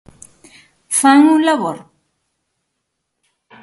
¿Fan un labor?